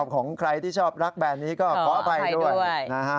ของใครที่ชอบรักแบรนด์นี้ก็ขออภัยด้วยนะฮะ